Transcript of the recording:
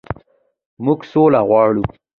موږ سوله غواړو.